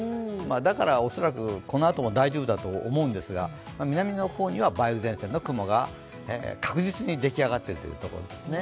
だから恐らくこのあとも大丈夫だと思うんですが、南の方には梅雨前線の雲が確実にできあがってるということですね。